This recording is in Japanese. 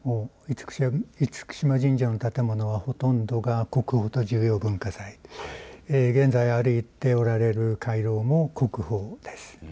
厳島神社の建物はほとんどが国宝と重要文化財、現在歩いておられる回廊も国宝です。